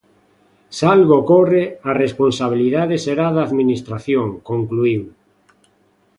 Se algo ocorre, a responsabilidade será da Administración, concluíu.